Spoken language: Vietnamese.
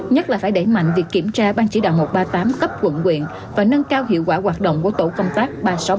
nhất là phải đẩy mạnh việc kiểm tra ban chỉ đạo một trăm ba mươi tám cấp quận quyện và nâng cao hiệu quả hoạt động của tổ công tác ba trăm sáu mươi ba